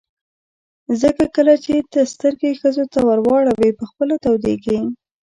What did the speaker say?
ځکه کله چې ته سترګې ښځو ته ور اړوې په خپله تودېږي.